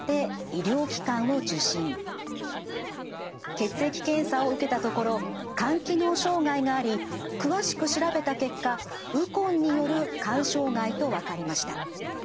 血液検査を受けたところ肝機能障害があり詳しく調べた結果ウコンによる肝障害と分かりました。